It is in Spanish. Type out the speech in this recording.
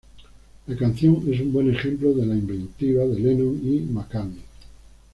La canción es un buen ejemplo de la inventiva de Lennon y McCartney.